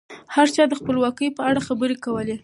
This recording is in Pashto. هر چا د خپلواکۍ په اړه خبرې کولې.